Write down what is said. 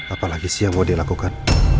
apalagi siang mau dilakukan